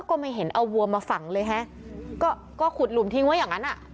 ก็ไม่เห็นเอาวัวมาฝังเลยฮะก็ก็ขุดหลุมทิ้งไว้อย่างนั้นอ่ะ